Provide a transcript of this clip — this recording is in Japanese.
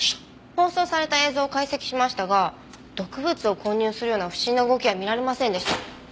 放送された映像を解析しましたが毒物を混入するような不審な動きは見られませんでした。